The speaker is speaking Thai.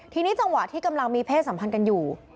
ทีนี้จังหวะที่กำลังมีเพศสัมพันธ์กันอยู่